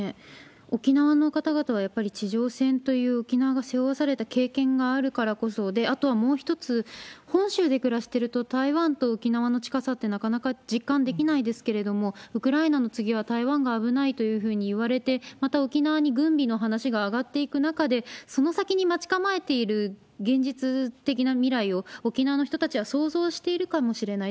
沖縄の方々は、やっぱり地上戦という沖縄が背負わされた経験があるからこそ、あとはもう一つ、本州で暮らしてると、台湾と沖縄の近さってなかなか実感できないですけれども、ウクライナの次は台湾が危ないというふうにいわれて、また沖縄に軍備の話が上がっていく中で、その先に待ち構えている現実的な未来を、沖縄の人たちは想像しているかもしれない。